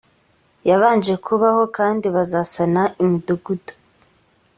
yabanje kubaho kandi bazasana imidugudu